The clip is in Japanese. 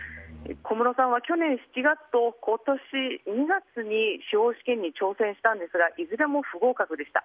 小室さんは去年７月と今年２月に司法試験に挑戦したんですがいずれも不合格でした。